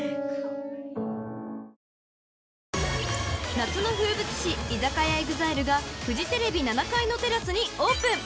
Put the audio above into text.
［夏の風物詩居酒屋えぐざいるがフジテレビ７階のテラスにオープン］